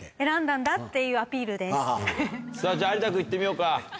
じゃあ有田君行ってみようか。